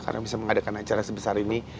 karena bisa mengadakan acara sebesar ini